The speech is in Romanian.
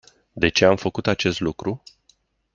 De ce am făcut acest lucru?